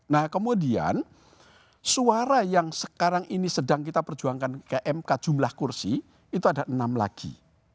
nah kemudian suara yang sekarang ini sedang kita perjuangkan ke mk jumlah kursi itu ada enam lagi